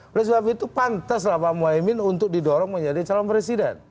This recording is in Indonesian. oleh sebab itu pantas lah pak muhaimin untuk didorong menjadi calon presiden